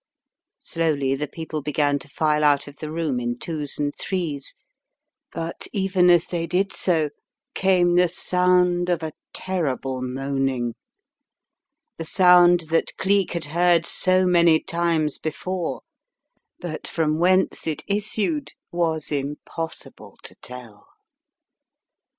Slowly the people began to file out of the room in twos and threes, but even as they did so came the sound of a terrible moaning, the sound that Cleek had heard so many times before, but from whence it issued, was impossible to tell.